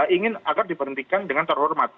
ingin agar diberhentikan dengan terhormat